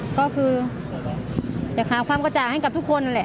ก็คือจะหาความกระจ่างให้กับทุกคนนั่นแหละ